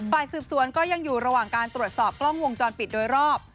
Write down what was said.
ฝ่ายสืบสวนก็ยังอยู่ระหว่างการตรวจสอบกล้องวงจรปิดโดยรอบ